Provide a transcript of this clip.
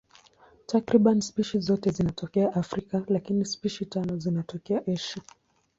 Takriban spishi zote zinatokea Afrika, lakini spishi tano zinatokea Asia.